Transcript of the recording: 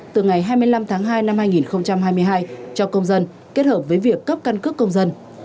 từ ngày hai mươi năm tháng hai năm hai nghìn hai mươi hai cho công dân kết hợp với việc cấp căn cước công dân